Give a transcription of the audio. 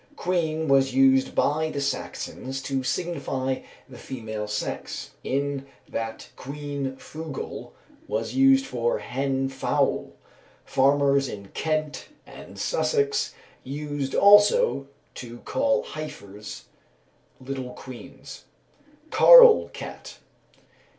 _ "Queen" was used by the Saxons to signify the female sex, in that "queen fugol" was used for "hen fowl." Farmers in Kent and Sussex used also to call heifers "little queens." _Carl cat.